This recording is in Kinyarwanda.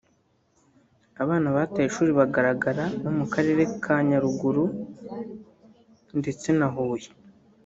Abana bataye ishuri bagaragara no mu Karere ka Nyaruguru ndetse na Huye